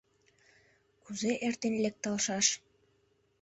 Кузе эртен лекталшаш.